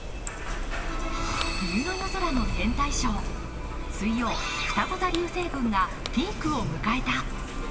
冬の夜空の天体ショー、水曜、ふたご座流星群がピークを迎えた。